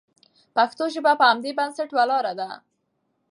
پښتو ژبه په همدې بنسټ ولاړه ده.